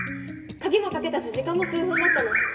鍵もかけたし時間も数分だったの。